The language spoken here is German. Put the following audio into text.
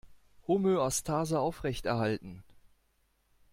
Homöostase aufrechterhalten!